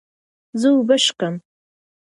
زه اوبه څښم.